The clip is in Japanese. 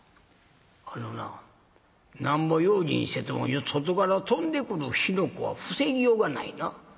「あのななんぼ用心してても外から飛んでくる火の粉は防ぎようがないな。